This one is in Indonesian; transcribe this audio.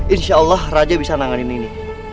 insya allah raja bisa nanganin ini